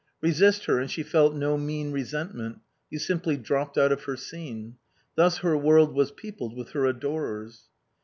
Resist her and she felt no mean resentment; you simply dropped out of her scene. Thus her world was peopled with her adorers.